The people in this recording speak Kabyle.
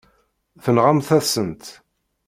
Tenɣamt-asen-tt.